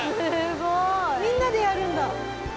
みんなでやるんだ。